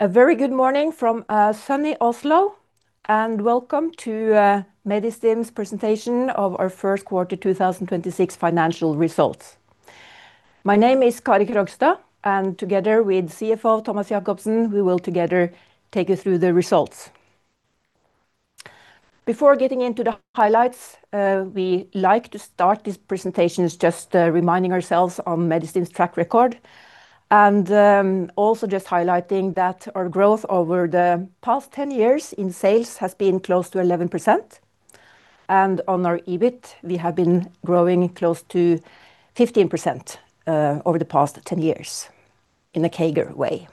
A very good morning from sunny Oslo, and welcome to Medistim's presentation of our first quarter 2026 financial results. My name is Kari Krogstad, and together with CFO Thomas Jakobsen, we will together take you through the results. Before getting into the highlights, we like to start these presentations just reminding ourselves on Medistim's track record and also just highlighting that our growth over the past 10 years in sales has been close to 11%, and on our EBIT, we have been growing close to 15% over the past 10 years in a CAGR way.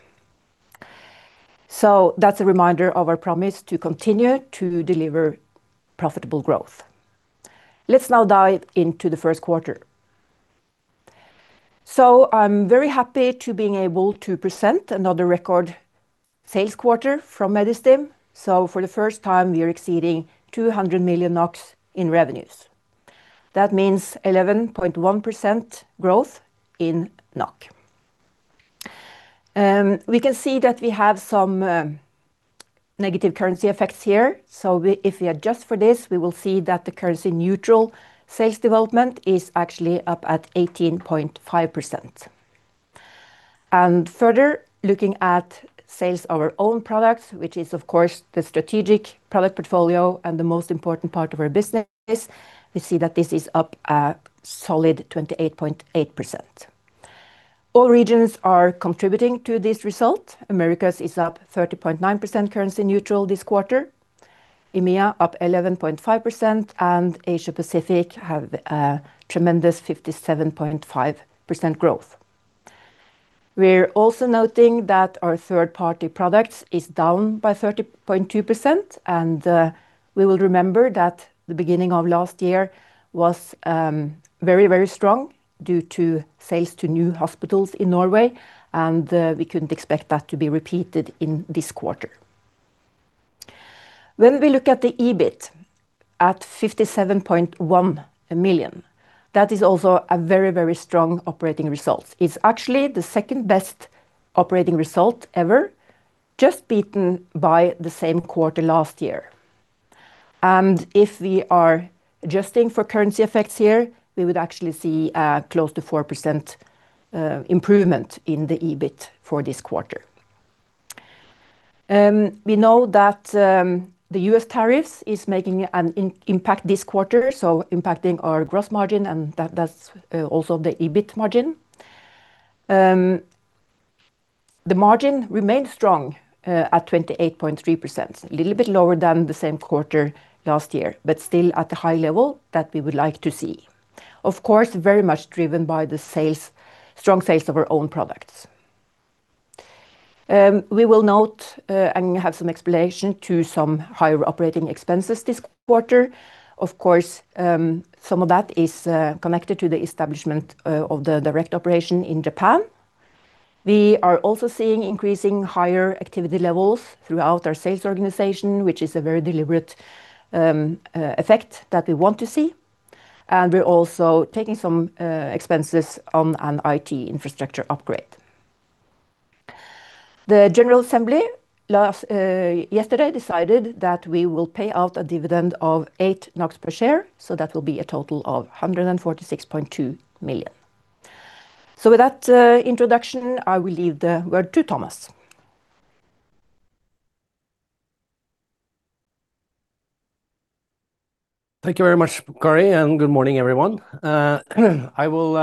That's a reminder of our promise to continue to deliver profitable growth. Let's now dive into the first quarter. I'm very happy to being able to present another record sales quarter from Medistim. For the first time, we are exceeding 200 million NOK in revenues. That means 11.1% growth in NOK. We can see that we have some negative currency effects here. If we adjust for this, we will see that the currency neutral sales development is actually up at 18.5%. Further, looking at sales of our own products, which is of course the strategic product portfolio and the most important part of our business, we see that this is up a solid 28.8%. All regions are contributing to this result. Americas is up 30.9% currency neutral this quarter. EMEA up 11.5%, and Asia Pacific have a tremendous 57.5% growth. We're also noting that our third-party products is down by 30.2%. We will remember that the beginning of last year was very, very strong due to sales to new hospitals in Norway. We couldn't expect that to be repeated in this quarter. When we look at the EBIT at 57.1 million, that is also a very, very strong operating result. It's actually the second-best operating result ever, just beaten by the same quarter last year. If we are adjusting for currency effects here, we would actually see a close to 4% improvement in the EBIT for this quarter. We know that the U.S. tariffs is making an impact this quarter, so impacting our gross margin and that's also the EBIT margin. The margin remains strong at 28.3%. Little bit lower than the same quarter last year, but still at the high level that we would like to see. Of course, very much driven by the strong sales of our own products. We will note, and have some explanation to some higher operating expenses this quarter. Of course, some of that is connected to the establishment of the direct operation in Japan. We are also seeing increasing higher activity levels throughout our sales organization, which is a very deliberate effect that we want to see. We're also taking some expenses on an IT infrastructure upgrade. The General Assembly yesterday decided that we will pay out a dividend of 8 NOK per share, so that will be a total of 146.2 million. With that, introduction, I will leave the word to Thomas. Thank you very much, Kari. Good morning, everyone. I will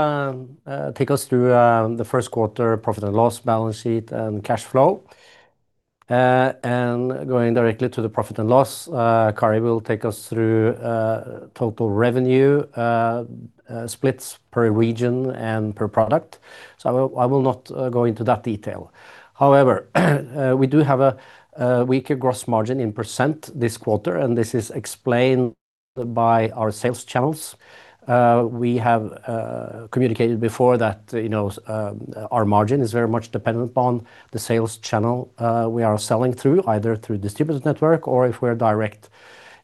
take us through the first quarter profit and loss balance sheet and cash flow. Going directly to the profit and loss, Kari will take us through total revenue, splits per region and per product. I will not go into that detail. However, we do have a weaker gross margin in percent this quarter, and this is explained by our sales channels. We have communicated before that, you know, our margin is very much dependent upon the sales channel we are selling through, either through distributor network or if we are direct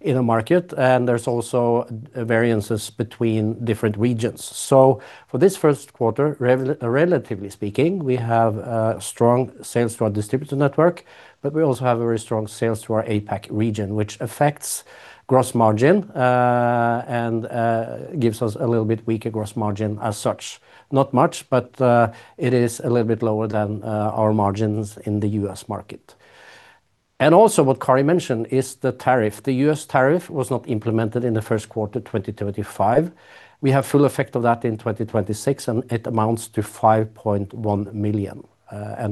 in a market, and there's also variances between different regions. For this first quarter, relatively speaking, we have strong sales to our distributor network, but we also have very strong sales to our APAC region, which affects gross margin and gives us a little bit weaker gross margin as such. Not much, but it is a little bit lower than our margins in the U.S. market. Also what Kari mentioned is the tariff. The U.S. tariff was not implemented in the first quarter 2025. We have full effect of that in 2026, and it amounts to 5.1 million.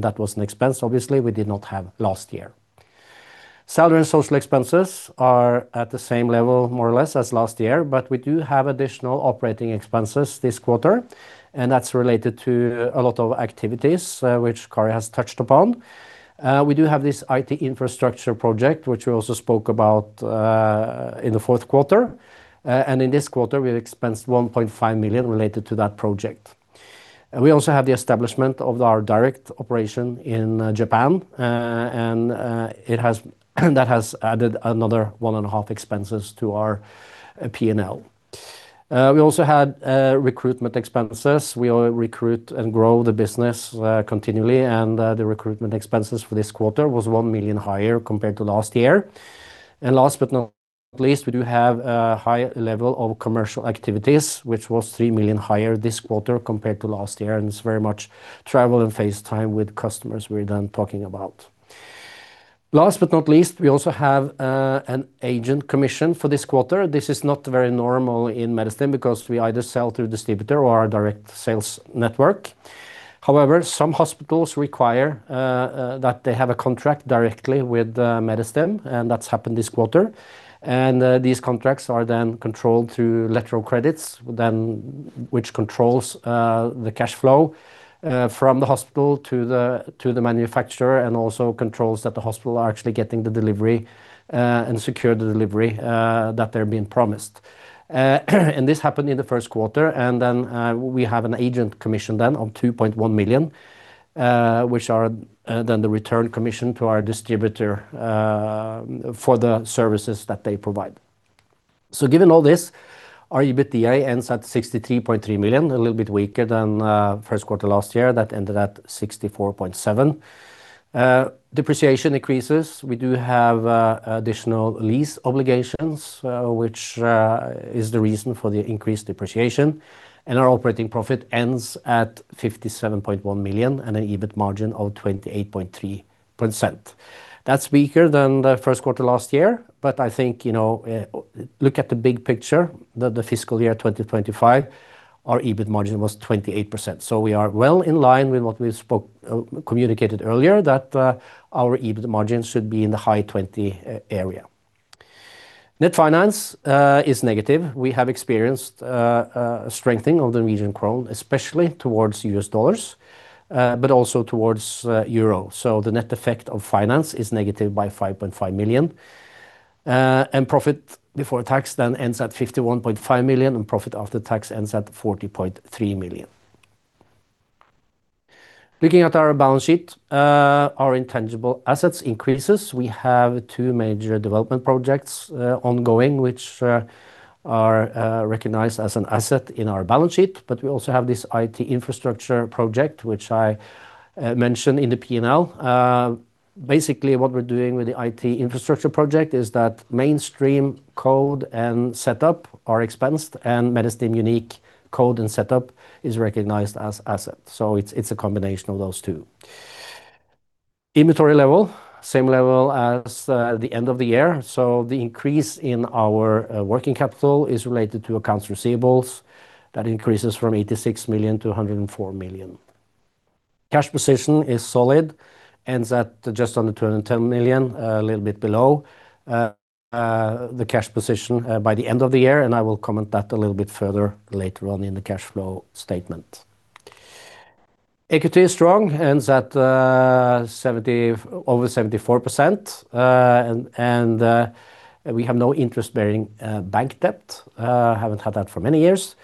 That was an expense obviously we did not have last year. Salary and social expenses are at the same level, more or less, as last year, but we do have additional operating expenses this quarter, and that's related to a lot of activities which Kari has touched upon. We do have this IT infrastructure project, which we also spoke about in the fourth quarter. In this quarter, we've expensed 1.5 million related to that project. We also have the establishment of our direct operation in Japan, and that has added another 1.5 million expenses to our P&L. We also had recruitment expenses. We recruit and grow the business continually, and the recruitment expenses for this quarter was 1 million higher compared to last year. Last but not least, we do have a high level of commercial activities, which was 3 million higher this quarter compared to last year, and it's very much travel and face time with customers we're then talking about. Last but not least, we also have an agent commission for this quarter. This is not very normal in Medistim because we either sell through distributor or our direct sales network. Some hospitals require that they have a contract directly with Medistim, and that's happened this quarter. These contracts are then controlled through letters of credit, which controls the cash flow from the hospital to the manufacturer and also controls that the hospital are actually getting the delivery and secure the delivery that they're being promised. This happened in the first quarter, we have an agent commission then of 2.1 million, which are then the return commission to our distributor for the services that they provide. Given all this, our EBITDA ends at 63.3 million, a little bit weaker than 1st quarter last year that ended at 64.7 million. Depreciation increases. We do have additional lease obligations, which is the reason for the increased depreciation. Our operating profit ends at 57.1 million and an EBIT margin of 28.3%. That's weaker than the 1st quarter last year, I think, you know, look at the big picture, the fiscal year 2025, our EBIT margin was 28%. We are well in line with what we communicated earlier that our EBIT margin should be in the high 20 area. Net finance is negative. We have experienced strengthening of the Norwegian krone, especially towards U.S. dollars, but also towards Euro. The net effect of finance is negative by 5.5 million. Profit before tax ends at 51.5 million, and profit after tax ends at 40.3 million. Looking at our balance sheet, our intangible assets increases. We have 2 major development projects ongoing, which are recognized as an asset in our balance sheet. We also have this IT infrastructure project, which I mentioned in the P&L. Basically, what we're doing with the IT infrastructure project is that mainstream code and setup are expensed and Medistim unique code and setup is recognized as asset. It's a combination of those two. Inventory level, same level as the end of the year. The increase in our working capital is related to accounts receivables. That increases from 86 million to 104 million. Cash position is solid, ends at just under 210 million, a little bit below the cash position by the end of the year. I will comment that a little bit further later on in the cash flow statement. Equity is strong, ends at over 74%. We have no interest-bearing bank debt. Haven't had that for many years.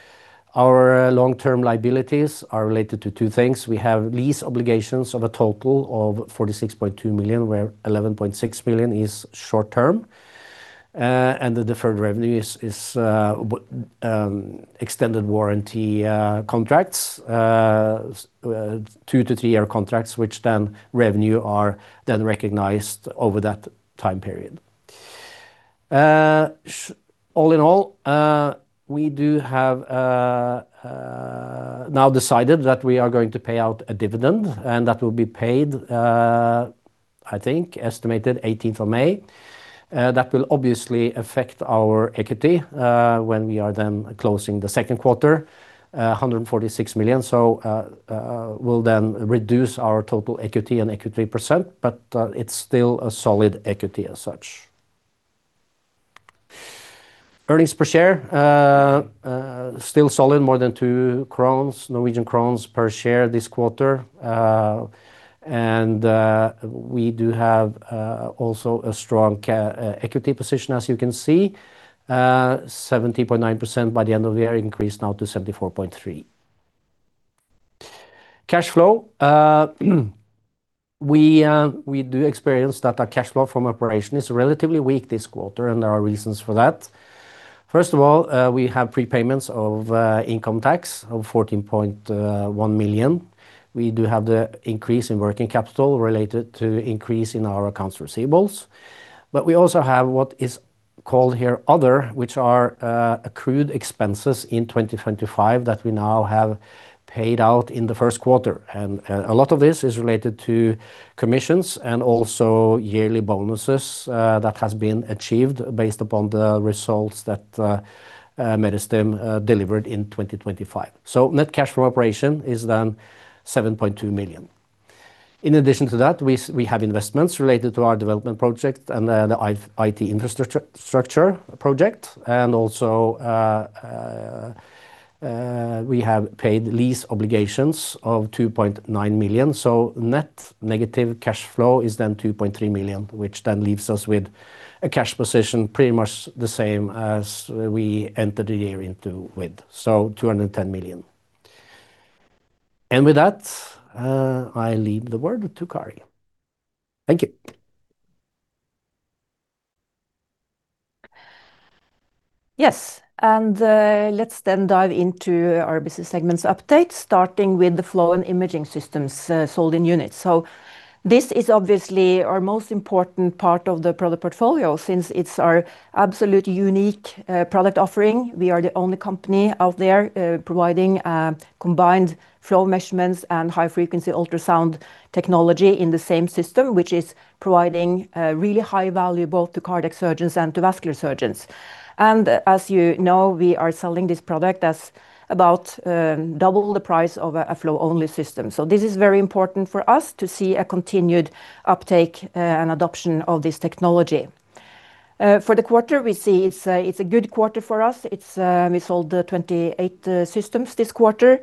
Our long-term liabilities are related to two things. We have lease obligations of a total of 46.2 million, where 11.6 million is short-term. The deferred revenue is extended warranty contracts, two to three year contracts, which then revenue are then recognized over that time period. All in all, we do have now decided that we are going to pay out a dividend, and that will be paid, I think, estimated 18th of May. That will obviously affect our equity, when we are then closing the second quarter, 146 million. We'll then reduce our total equity and equity percent, but it's still a solid equity as such. Earnings per share, still solid, more than 2 crowns per share this quarter. We do have also a strong equity position, as you can see, 70.9% by the end of the year, increased now to 74.3%. Cash flow, we do experience that our cash flow from operation is relatively weak this quarter, and there are reasons for that. First of all, we have prepayments of income tax of 14.1 million. We do have the increase in working capital related to increase in our accounts receivables. We also have what is called here other, which are accrued expenses in 2025 that we now have paid out in the first quarter. A lot of this is related to commissions and also yearly bonuses that has been achieved based upon the results that Medistim delivered in 2025. Net cash from operation is 7.2 million. In addition to that, we have investments related to our development project and the IT infrastructure project. We have paid lease obligations of 2.9 million. Net negative cash flow is then 2.3 million, which then leaves us with a cash position pretty much the same as we enter the year into with, 210 million. I leave the word to Kari. Thank you. Yes. Let's then dive into our business segments update, starting with the flow and imaging systems sold in units. This is obviously our most important part of the product portfolio since it's our absolute unique product offering. We are the only company out there providing combined flow measurements and high-frequency ultrasound technology in the same system, which is providing really high value both to cardiac surgeons and to vascular surgeons. As you know, we are selling this product as about double the price of a flow-only system. This is very important for us to see a continued uptake and adoption of this technology. For the quarter, we see it's a good quarter for us. We sold 28 systems this quarter.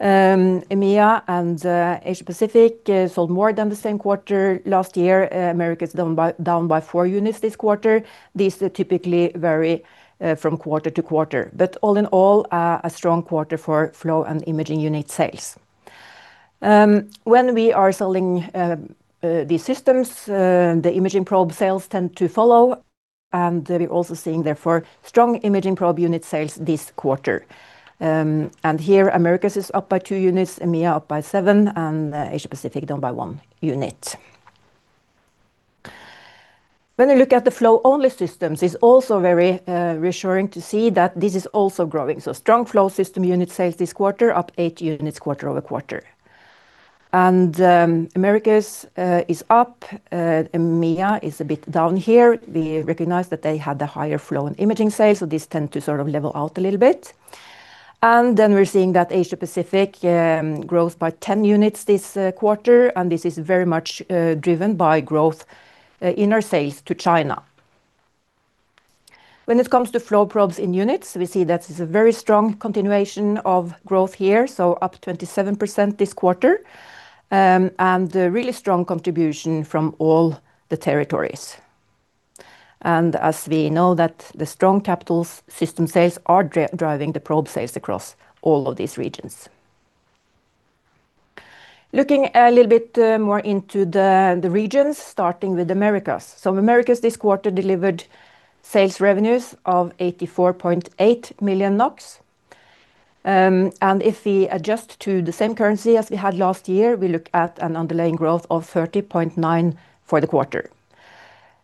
EMEA and Asia Pacific sold more than the same quarter last year. Americas is down by four units this quarter. These typically vary from quarter to quarter. All in all, a strong quarter for flow and imaging unit sales. When we are selling these systems, the imaging probe sales tend to follow, and we're also seeing therefore strong imaging probe unit sales this quarter. Here Americas is up by two units, EMEA up by seven, and Asia Pacific down by 1 unit. When we look at the flow-only systems, it's also very reassuring to see that this is also growing. Strong flow system unit sales this quarter up eight units quarter-over-quarter. Americas is up. EMEA is a bit down here. We recognize that they had the higher flow in imaging sales, so this tend to sort of level out a little bit. We're seeing that Asia Pacific grows by 10 units this quarter, and this is very much driven by growth in our sales to China. When it comes to flow probes in units, we see that it's a very strong continuation of growth here, so up 27% this quarter. A really strong contribution from all the territories. As we know that the strong capital system sales are driving the probe sales across all of these regions. Looking a little bit more into the regions, starting with Americas. Americas this quarter delivered sales revenues of 84.8 million NOK. If we adjust to the same currency as we had last year, we look at an underlying growth of 30.9 for the quarter.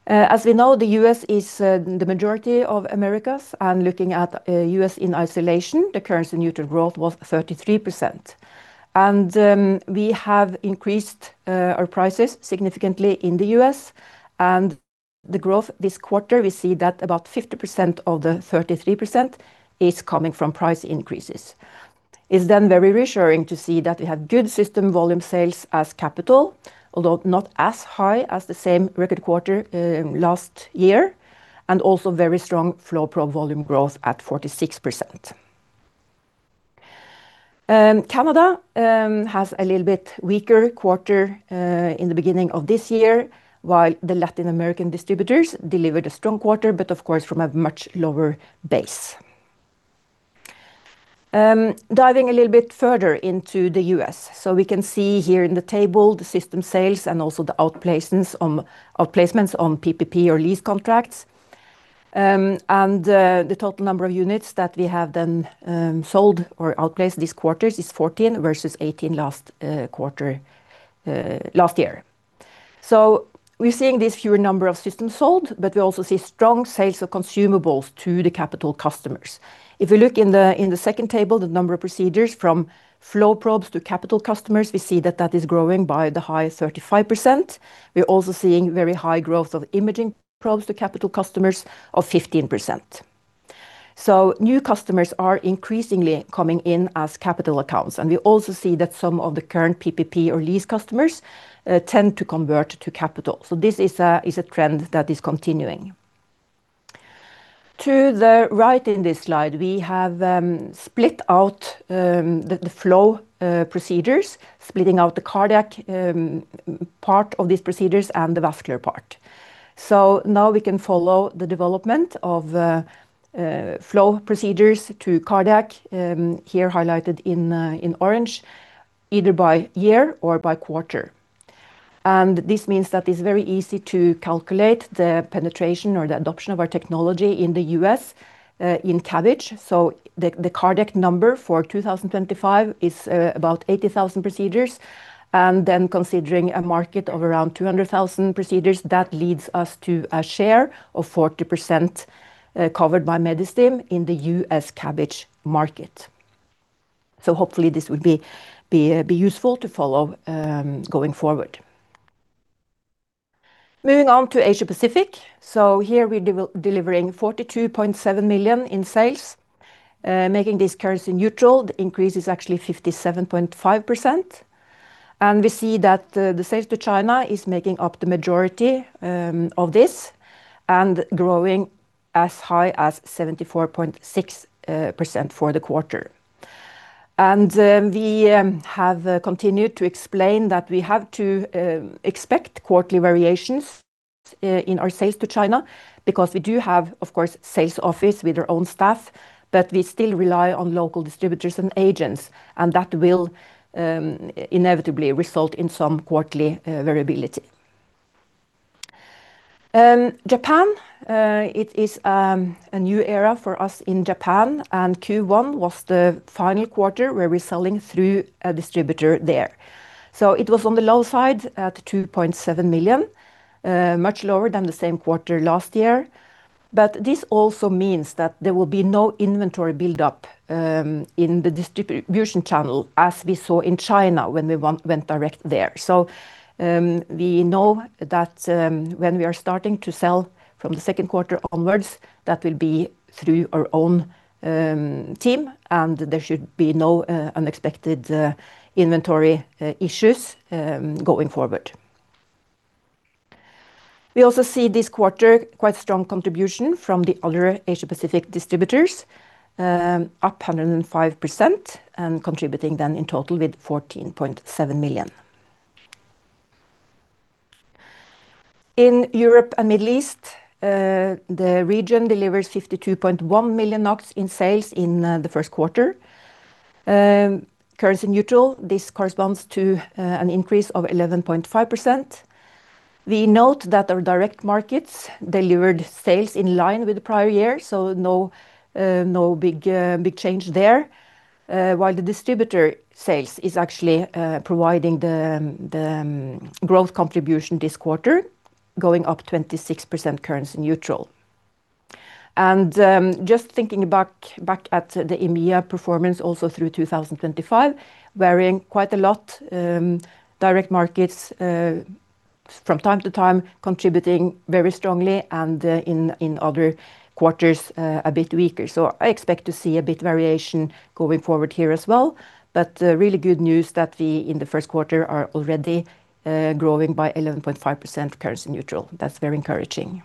As we know, the U.S. is the majority of Americas, and looking at U.S. in isolation, the currency neutral growth was 33%. We have increased our prices significantly in the U.S. and the growth this quarter, we see that about 50% of the 33% is coming from price increases. It's then very reassuring to see that we have good system volume sales as capital, although not as high as the same record quarter last year, and also very strong flow probe volume growth at 46%. Canada has a little bit weaker quarter in the beginning of this year, while the Latin American distributors delivered a strong quarter but, of course, from a much lower base. Diving a little bit further into the U.S. We can see here in the table the system sales and also the outplacements on PPP or lease contracts. The total number of units that we have then sold or outplaced this quarters is 14 versus 18 last quarter last year. We're seeing this fewer number of systems sold, but we also see strong sales of consumables to the capital customers. If we look in the second table, the number of procedures from flow probes to capital customers, we see that that is growing by the high 35%. We're also seeing very high growth of imaging probes to capital customers of 15%. New customers are increasingly coming in as capital accounts, and we also see that some of the current PPP or lease customers tend to convert to capital. This is a trend that is continuing. To the right in this slide, we have split out the flow procedures, splitting out the cardiac part of these procedures and the vascular part. Now we can follow the development of flow procedures to cardiac, here highlighted in orange, either by year or by quarter. This means that it's very easy to calculate the penetration or the adoption of our technology in the U.S. in CABG. The cardiac number for 2025 is about 80,000 procedures. Considering a market of around 200,000 procedures, that leads us to a share of 40% covered by Medistim in the U.S. CABG market. Hopefully this would be useful to follow going forward. Moving on to Asia Pacific. Here we delivering 42.7 million in sales. Making this currency neutral, the increase is actually 57.5%. We see that the sales to China is making up the majority of this and growing as high as 74.6% for the quarter. We have continued to explain that we have to expect quarterly variations in our sales to China. Because we do have, of course, sales office with our own staff, but we still rely on local distributors and agents, and that will inevitably result in some quarterly variability. Japan, it is a new era for us in Japan, and Q1 was the final quarter where we're selling through a distributor there. It was on the low side at 2.7 million, much lower than the same quarter last year. This also means that there will be no inventory build-up in the distribution channel as we saw in China when we went direct there. We know that when we are starting to sell from the second quarter onwards, that will be through our own team, and there should be no unexpected inventory issues going forward. We also see this quarter quite strong contribution from the other Asia-Pacific distributors, up 105% and contributing then in total with 14.7 million. In Europe and Middle East, the region delivers 52.1 million NOK in sales in the first quarter. Currency neutral, this corresponds to an increase of 11.5%. We note that our direct markets delivered sales in line with the prior year, so no big change there. While the distributor sales is actually providing the growth contribution this quarter going up 26% currency neutral. Just thinking back at the EMEA performance also through 2025, varying quite a lot, direct markets from time to time contributing very strongly and in other quarters a bit weaker. I expect to see a bit variation going forward here as well, but really good news that we in the first quarter are already growing by 11.5% currency neutral. That's very encouraging.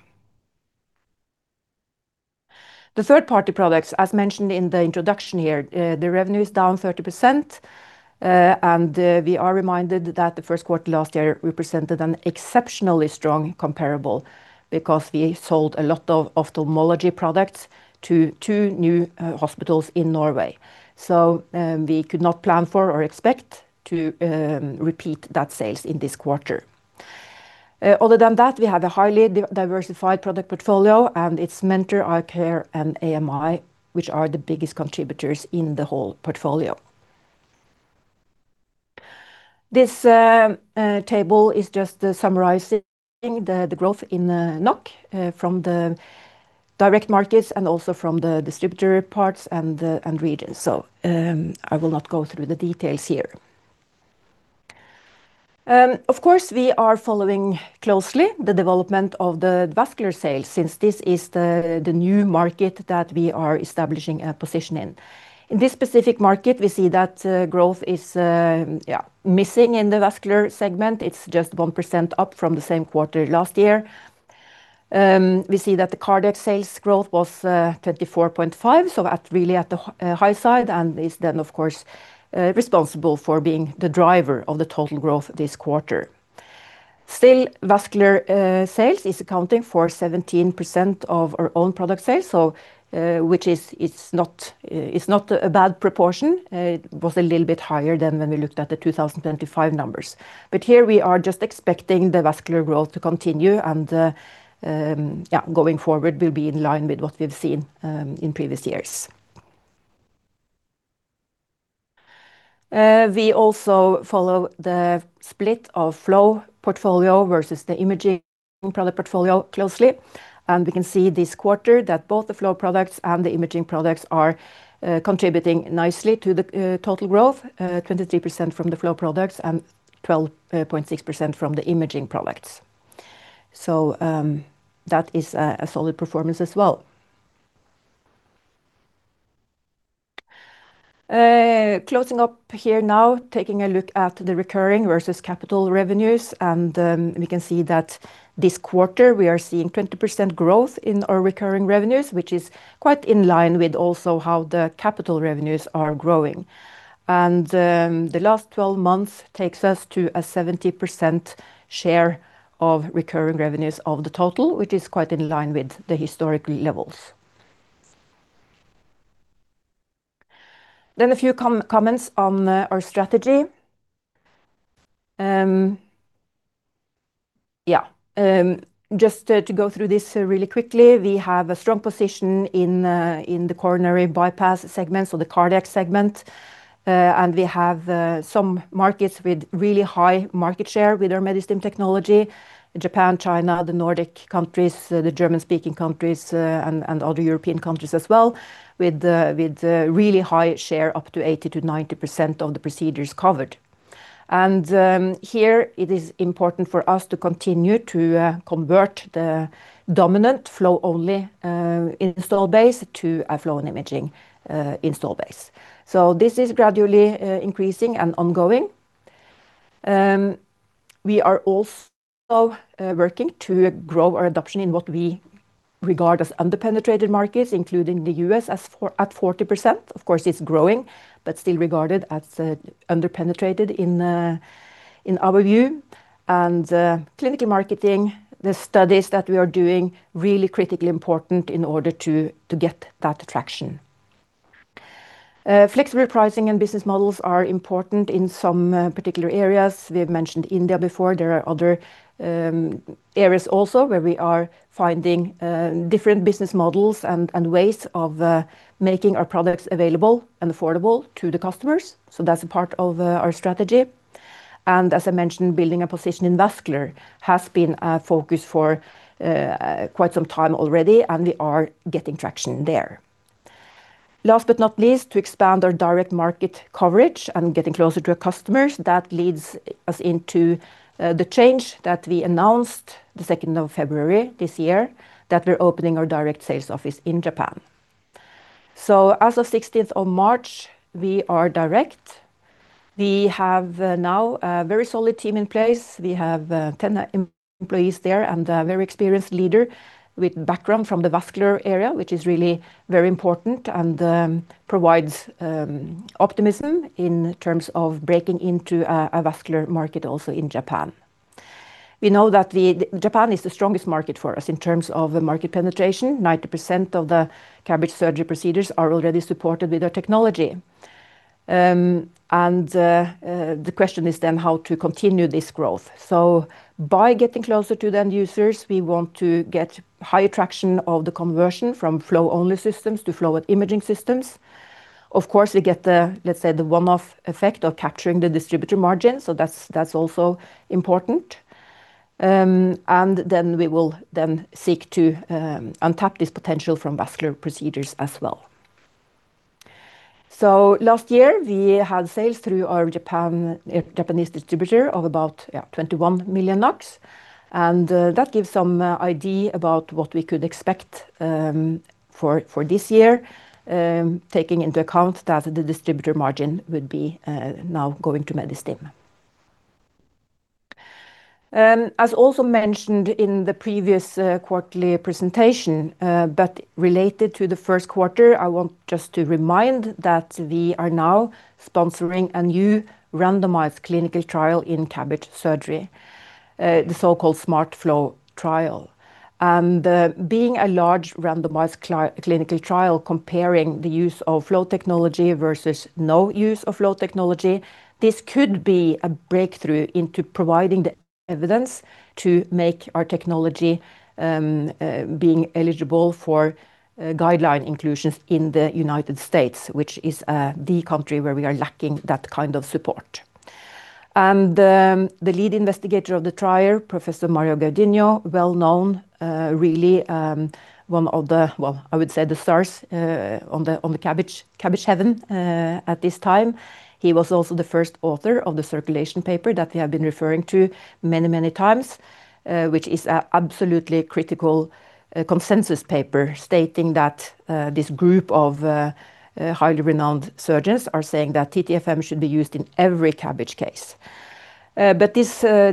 The third-party products, as mentioned in the introduction here, the revenue is down 30%. We are reminded that the first quarter last year represented an exceptionally strong comparable because we sold a lot of ophthalmology products to two new hospitals in Norway. We could not plan for or expect to repeat that sales in this quarter. Other than that, we have a highly diversified product portfolio, and it's Mentor and A.M.I., which are the biggest contributors in the whole portfolio. This table is just summarizing the growth in the NOK from the direct markets and also from the distributor parts and regions. I will not go through the details here. Of course, we are following closely the development of the vascular sales since this is the new market that we are establishing a position in. In this specific market, we see that growth is missing in the vascular segment. It's just 1% up from the same quarter last year. We see that the cardiac sales growth was 34.5%, really at the high side and is responsible for being the driver of the total growth this quarter. Vascular sales is accounting for 17% of our own product sales, it's not a bad proportion. It was a little bit higher than when we looked at the 2025 numbers. Here we are just expecting the vascular growth to continue and going forward will be in line with what we've seen in previous years. We also follow the split of flow portfolio versus the imaging product portfolio closely. We can see this quarter that both the flow products and the imaging products are contributing nicely to the total growth, 23% from the flow products and 12.6% from the imaging products. That is a solid performance as well. Closing up here now, taking a look at the recurring versus capital revenues, we can see that this quarter we are seeing 20% growth in our recurring revenues, which is quite in line with also how the capital revenues are growing. The last 12 months takes us to a 70% share of recurring revenues of the total, which is quite in line with the historical levels. A few comments on our strategy. Yeah. Just to go through this really quickly, we have a strong position in the coronary bypass segment, so the cardiac segment. We have some markets with really high market share with our Medistim technology. Japan, China, the Nordic countries, the German-speaking countries, and other European countries as well, with really high share, up to 80%-90% of the procedures covered. Here it is important for us to continue to convert the dominant flow only install base to a flow in imaging install base. This is gradually increasing and ongoing. We are also working to grow our adoption in what we regard as under-penetrated markets, including the U.S. at 40%. Of course, it's growing, but still regarded as under-penetrated in our view. Clinical marketing, the studies that we are doing really critically important in order to get that traction. Flexible pricing and business models are important in some particular areas. We have mentioned India before. There are other areas also where we are finding different business models and ways of making our products available and affordable to the customers. That's a part of our strategy. As I mentioned, building a position in vascular has been a focus for quite some time already, and we are getting traction there. Last but not least, to expand our direct market coverage and getting closer to our customers, that leads us into the change that we announced the 2nd of February this year, that we're opening our direct sales office in Japan. As of 16th of March, we are direct. We have now a very solid team in place. We have 10 employees there and a very experienced leader with background from the vascular area, which is really very important and provides optimism in terms of breaking into a vascular market also in Japan. We know that Japan is the strongest market for us in terms of the market penetration. 90% of the CABG surgery procedures are already supported with our technology. The question is how to continue this growth. By getting closer to the end users, we want to get higher traction of the conversion from flow-only systems to flow with imaging systems. Of course, we get the, let's say, the one-off effect of capturing the distributor margin, that's also important. We will then seek to untap this potential from vascular procedures as well. Last year we had sales through our Japan, Japanese distributor of about 21 million, and that gives some idea about what we could expect for this year, taking into account that the distributor margin would be now going to Medistim. As also mentioned in the previous quarterly presentation, related to the first quarter, I want just to remind that we are now sponsoring a new randomized clinical trial in CABG surgery, the so-called SMARTFLOW trial. Being a large randomized clinical trial comparing the use of flow technology versus no use of flow technology, this could be a breakthrough into providing the evidence to make our technology being eligible for guideline inclusions in the U.S., which is the country where we are lacking that kind of support. The lead investigator of the trial, Professor Mario Gaudino, well-known, really one of the, I would say the stars on the CABG heaven at this time. He was also the first author of the circulation paper that we have been referring to many, many times, which is a absolutely critical consensus paper stating that this group of highly renowned surgeons are saying that TTFM should be used in every CABG case.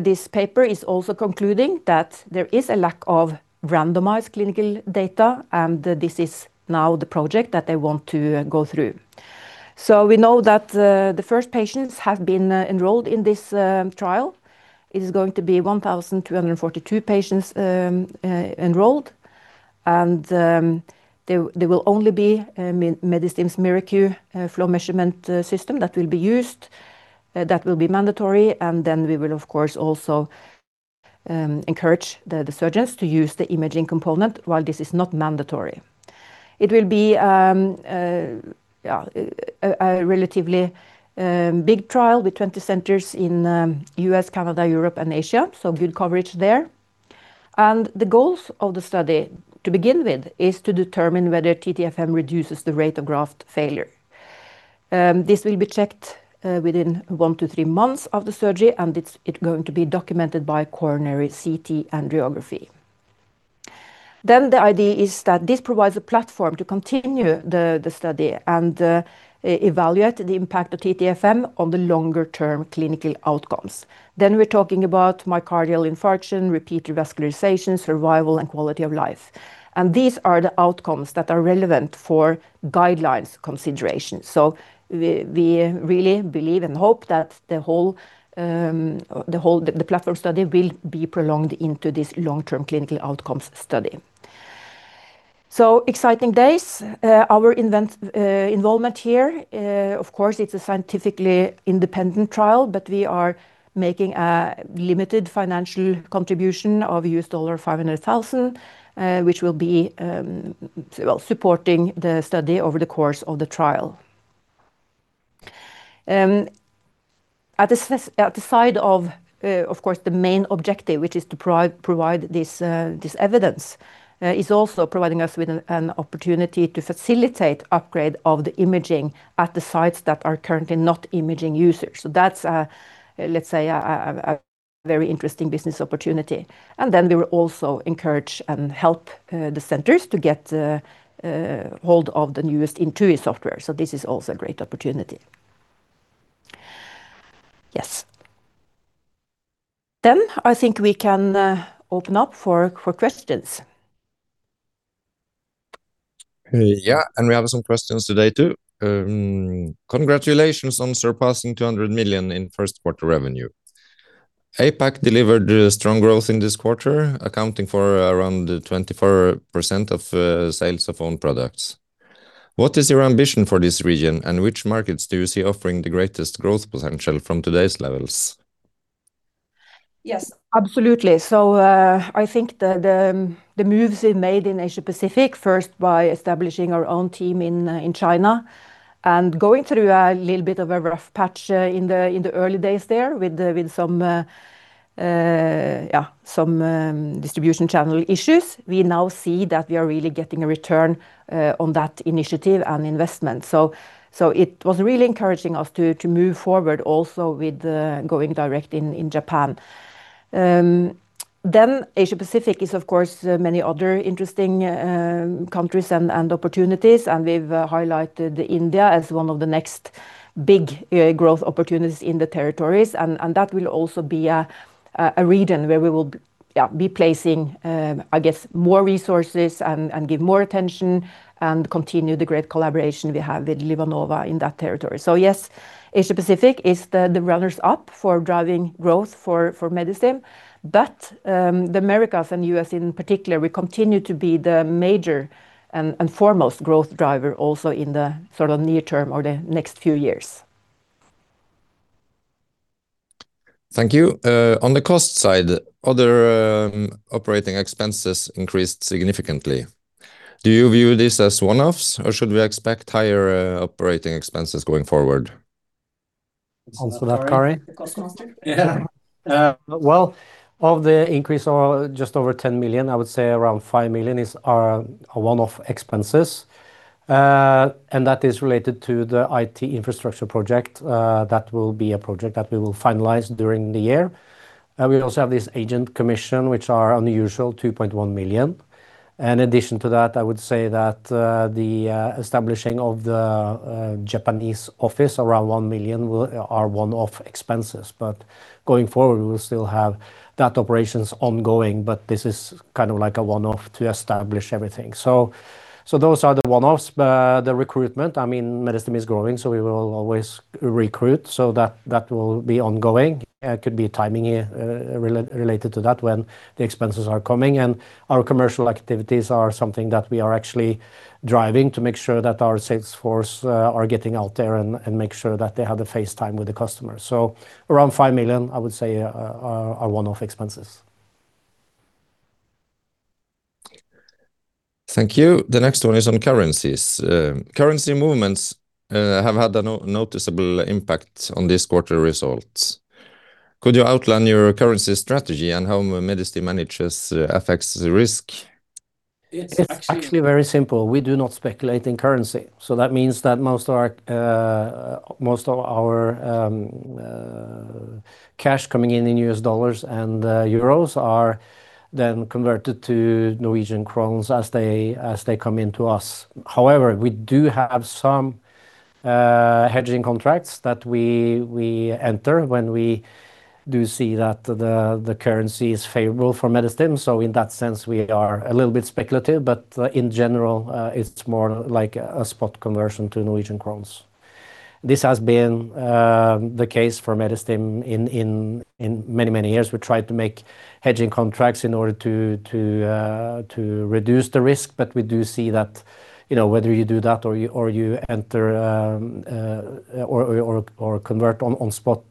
This paper is also concluding that there is a lack of randomized clinical data, and this is now the project that they want to go through. We know that the first patients have been enrolled in this trial. It is going to be 1,242 patients enrolled, and there will only be Medistim's MiraQ flow measurement system that will be used. That will be mandatory, and then we will of course also encourage the surgeons to use the imaging component while this is not mandatory. It will be a relatively big trial with 20 centers in U.S., Canada, Europe, and Asia, so good coverage there. The goals of the study to begin with is to determine whether TTFM reduces the rate of graft failure. This will be checked within 1-3 months of the surgery, and it's going to be documented by coronary CT angiography. The idea is that this provides a platform to continue the study and evaluate the impact of TTFM on the longer-term clinical outcomes. We're talking about myocardial infarction, repeated revascularization, survival, and quality of life. These are the outcomes that are relevant for guidelines consideration. We really believe and hope that the whole platform study will be prolonged into this long-term clinical outcomes study. Exciting days. Our involvement here, of course, it's a scientifically independent trial, but we are making a limited financial contribution of $500,000, which will be, well, supporting the study over the course of the trial. At the side of course, the main objective, which is to provide this evidence, is also providing us with an opportunity to facilitate upgrade of the imaging at the sites that are currently not imaging users. That's a, let's say, a very interesting business opportunity. We will also encourage and help the centers to get hold of the newest INTUI software. This is also a great opportunity. Yes. I think we can open up for questions. We have some questions today too. Congratulations on surpassing 200 million in first quarter revenue. APAC delivered strong growth in this quarter, accounting for around 24% of sales of own products. What is your ambition for this region, which markets do you see offering the greatest growth potential from today's levels? Yes, absolutely. I think the moves we've made in Asia Pacific, first by establishing our own team in China and going through a little bit of a rough patch in the early days there with some distribution channel issues. We now see that we are really getting a return on that initiative and investment. It was really encouraging us to move forward also with going direct in Japan. Asia Pacific is of course, many other interesting countries and opportunities, and we've highlighted India as one of the next big growth opportunities in the territories. That will also be a region where we will, yeah, be placing, I guess, more resources and give more attention and continue the great collaboration we have with LivaNova in that territory. Yes, Asia Pacific is the runners up for driving growth for Medistim. The Americas and U.S. in particular will continue to be the major and foremost growth driver also in the sort of near term or the next few years. Thank you. On the cost side, other operating expenses increased significantly. Do you view this as one-offs or should we expect higher operating expenses going forward? Answer that, Kari. The cost master. Well, of the increase of just over 10 million, I would say around 5 million are one-off expenses. That is related to the IT infrastructure project. That will be a project that we will finalize during the year. We also have this agent commission, which are unusual, 2.1 million. In addition to that, I would say that the establishing of the Japanese office around 1 million are one-off expenses. Going forward, we will still have that operations ongoing, but this is kind of like a one-off to establish everything. Those are the one-offs. The recruitment, I mean, Medistim is growing, so we will always recruit. That will be ongoing. Could be timing, related to that when the expenses are coming. Our commercial activities are something that we are actually driving to make sure that our sales force are getting out there and make sure that they have the face time with the customers. Around 5 million, I would say, are one-off expenses. Thank you. The next one is on currencies. Currency movements have had a no-noticeable impact on this quarter results. Could you outline your currency strategy and how Medistim manages FX risk? It's actually very simple. We do not speculate in currency. That means that most of our cash coming in in $ and EUR are then converted to NOK as they, as they come into us. However, we do have some hedging contracts that we enter when we do see that the currency is favorable for Medistim. In that sense, we are a little bit speculative, but in general, it's more like a spot conversion to NOK. This has been the case for Medistim in many, many years. We tried to make hedging contracts in order to reduce the risk. We do see that, you know, whether you do that or you enter, or convert on spot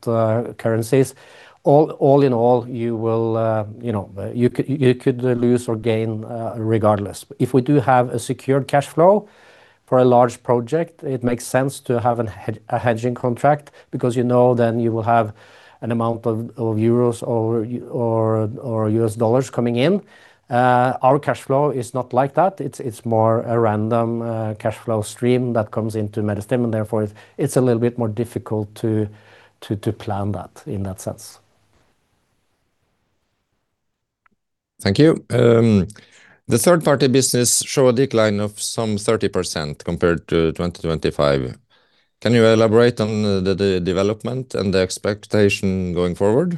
currencies, all in all, you will, you know, you could lose or gain regardless. If we do have a secured cash flow for a large project, it makes sense to have a hedging contract because you know then you will have an amount of EUR or U.S. dollars coming in. Our cash flow is not like that. It's more a random cash flow stream that comes into Medistim, and therefore it's a little bit more difficult to plan that in that sense. Thank you. The third-party business show a decline of some 30% compared to 2025. Can you elaborate on the development and the expectation going forward?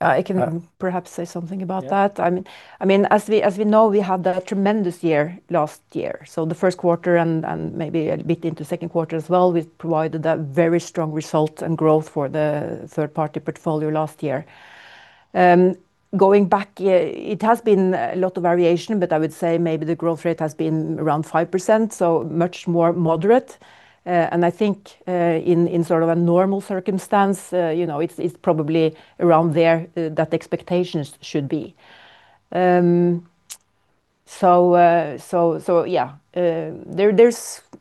I can perhaps say something about that. I mean, as we know, we had a tremendous year last year. The first quarter and maybe a bit into second quarter as well, we provided a very strong result and growth for the third party portfolio last year. Going back, yeah, it has been a lot of variation, but I would say maybe the growth rate has been around 5%, so much more moderate. And I think, in sort of a normal circumstance, you know, it's probably around there that expectations should be. Yeah.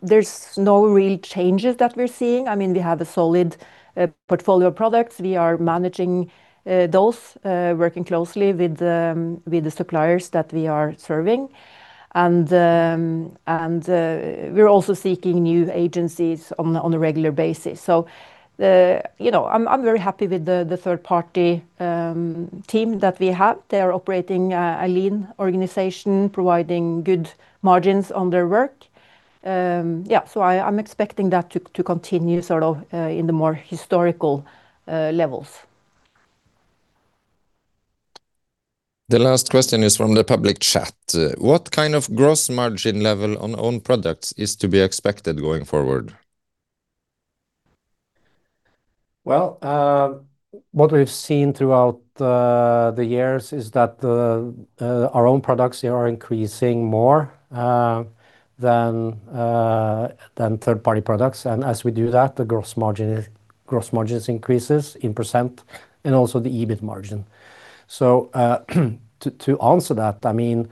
There's no real changes that we're seeing. I mean, we have a solid portfolio of products. We are managing those, working closely with the suppliers that we are serving. We're also seeking new agencies on a regular basis. You know, I'm very happy with the third party team that we have. They are operating a lean organization, providing good margins on their work. Yeah, I'm expecting that to continue sort of in the more historical levels. The last question is from the public chat. What kind of gross margin level on own products is to be expected going forward? What we've seen throughout the years is that our own products are increasing more than third-party products. As we do that, the gross margins increases in percent and also the EBIT margin. To answer that, I mean,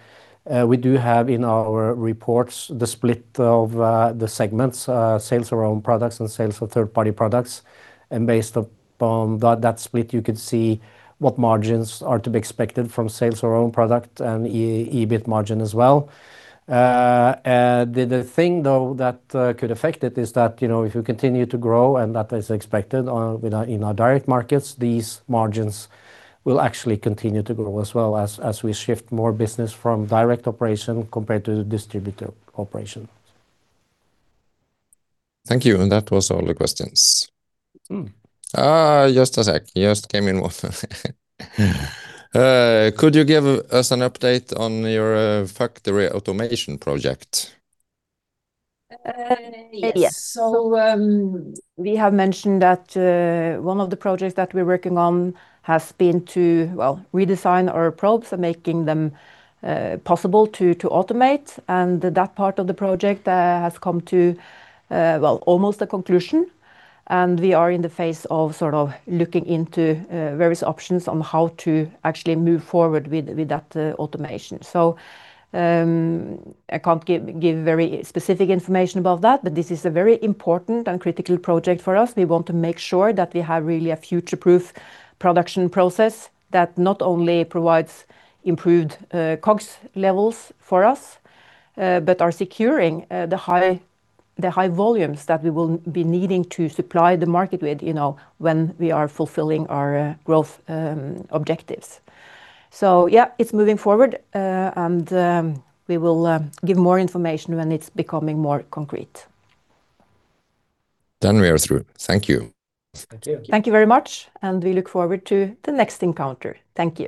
we do have in our reports the split of the segments, sales of our own products and sales of third-party products. Based upon that split, you could see what margins are to be expected from sales of our own product and EBIT margin as well. The thing, though, that could affect it is that, you know, if we continue to grow, and that is expected in our direct markets, these margins will actually continue to grow as well as we shift more business from direct operation compared to distributor operation. Thank you. That was all the questions. Just a sec. Just came in one. Could you give us an update on your factory automation project? Yes. We have mentioned that one of the projects that we're working on has been to redesign our probes and making them possible to automate. That part of the project has come to almost a conclusion, and we are in the phase of sort of looking into various options on how to actually move forward with that automation. I can't give very specific information about that, but this is a very important and critical project for us. We want to make sure that we have really a future-proof production process that not only provides improved cost levels for us, but are securing the high volumes that we will be needing to supply the market with, you know, when we are fulfilling our growth objectives. It's moving forward. We will give more information when it's becoming more concrete. We are through. Thank you. Thank you. Thank you very much, and we look forward to the next encounter. Thank you.